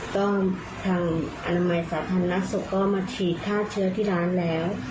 ก็ทางอนามัยสาธารณสุขก็มาฉีดฆ่าเชื้อที่ร้านแล้ว